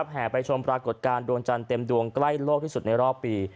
แห่ไปชมปรากฏการณ์ดวงจันทร์เต็มดวงใกล้โลกที่สุดในรอบปี